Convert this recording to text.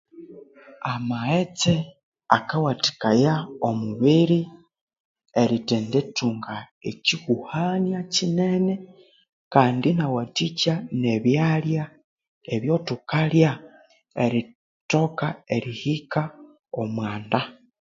Amaghetse akawathikaya omu biri erithendithunga ekyihuhania kyinene kandi inyawathikya nebyalya ebyo thukalya eri erithoka erihika omwanda